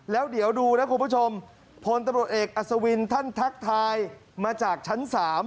แล้วเดี๋ยวดูนะคุณผู้ชมพลตำรวจเอกอัศวินท่านทักทายมาจากชั้น๓